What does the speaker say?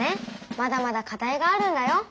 まだまだ課題があるんだよ。